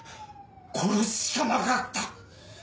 殺すしかなかった！